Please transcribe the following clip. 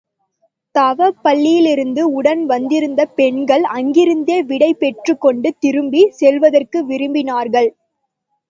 தவப்பள்ளியிலிருந்து உடன் வந்திருந்த பெண்கள் அங்கிருந்தே விடை பெற்றுக்கொண்டு திரும்பிச் செல்வதற்கு விரும்பினார்கள்.